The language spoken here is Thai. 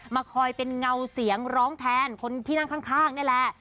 คอยเป็นเงาเสียงร้องแทนคนที่นั่งข้างนี่แหละ